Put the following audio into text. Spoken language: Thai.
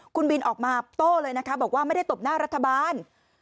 คุณบินออกมาโต้เลยนะคะบอกว่าไม่ได้ตบหน้ารัฐบาล